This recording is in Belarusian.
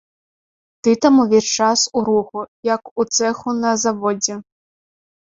Там ты ўвесь час у руху, як у цэху на заводзе.